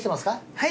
はい。